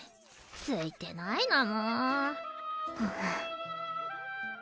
ついてないなもう。